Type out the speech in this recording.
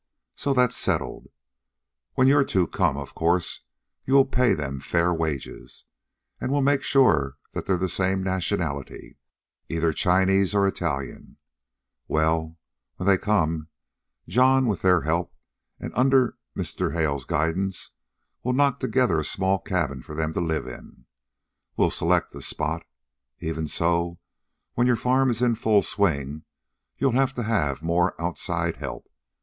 So that's settled. When your two come of course you will pay them fair wages and we'll make sure they're the same nationality, either Chinese or Italians well, when they come, John, with their help, and under Mr. Hale's guidance, will knock together a small cabin for them to live in. We'll select the spot. Even so, when your farm is in full swing you'll have to have more outside help.